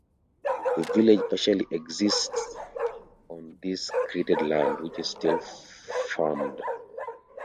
The village partially exists on this created land, which is still farmed.